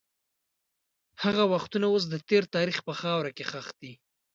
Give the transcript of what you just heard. هغه وختونه اوس د تېر تاریخ په خاوره کې ښخ دي.